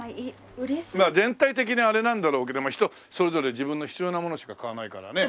全体的にあれなんだろうけど人それぞれ自分の必要なものしか買わないからね。